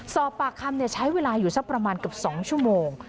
สอบปากคำใช้เวลาอยู่สักประมาณเกือบ๒ชั่วโมง